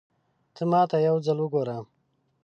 ته ماته يو ځل وګوره